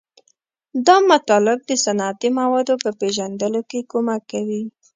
دا مطالب د صنعتي موادو په پیژندلو کې کومک کوي.